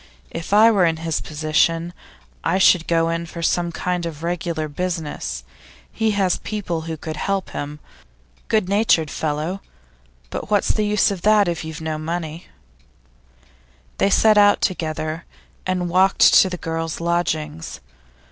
If I were in his position, I should go in for some kind of regular business; he has people who could help him. Good natured fellow; but what's the use of that if you've no money?' They set out together, and walked to the girls' lodgings.